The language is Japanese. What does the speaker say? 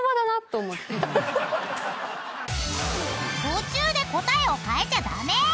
［途中で答えを変えちゃ駄目！］